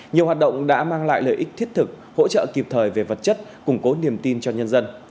nhiều hoạt động đã mang lại lợi ích thiết thực hỗ trợ kịp thời về vật chất củng cố niềm tin cho nhân dân